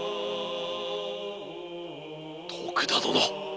徳田殿。